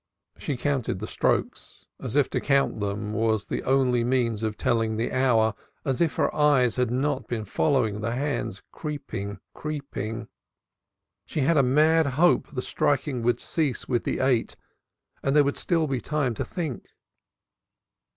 She counted the strokes, as if to count them was the only means of telling the hour, as if her eyes had not been following the hands creeping, creeping. She had a mad hope the striking would cease with the eight and there would be still time to think.